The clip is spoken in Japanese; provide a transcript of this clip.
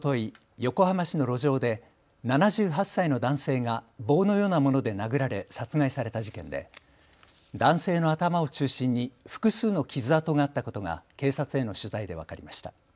横浜市の路上で７８歳の男性が棒のようなもので殴られ殺害された事件で男性の頭を中心に複数の傷痕があったことが警察への取材で分かりました。